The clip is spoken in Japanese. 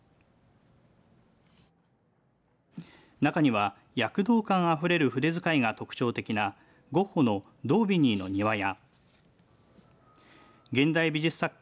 なかには躍動感あふれる筆使いが特徴的なゴッホのドービニーの庭や現代美術作家